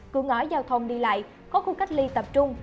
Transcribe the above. cửa ngõ giao thông đi lại có khu cách ly tập trung